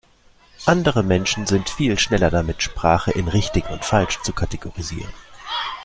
Andere Menschen sind viel schneller damit, Sprache in richtig und falsch zu kategorisieren.